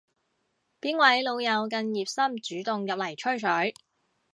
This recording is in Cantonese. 邊位老友咁熱心主動入嚟吹水